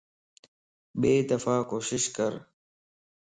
ٻي دفع ڪوشش ڪر